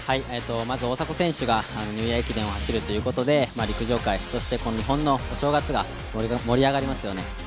まず大迫選手がニューイヤー駅伝を走るということで陸上界、そして日本のお正月が盛り上がりますよね。